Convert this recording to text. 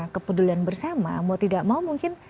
kepedulian bersama mau tidak mau mungkin